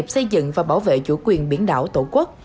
xây dựng và bảo vệ chủ quyền biển đảo tổ quốc